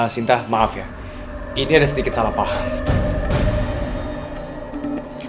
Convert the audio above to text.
sinta maaf ya ini ada sedikit salah paham